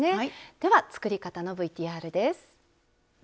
では作り方のＶＴＲです。